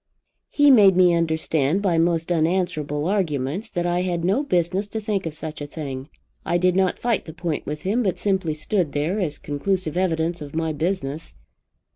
"He made me understand by most unanswerable arguments, that I had no business to think of such a thing. I did not fight the point with him, but simply stood there, as conclusive evidence of my business.